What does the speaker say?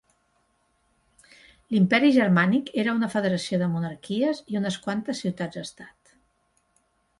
L'Imperi Germànic era una federació de monarquies i unes quantes ciutats-estat.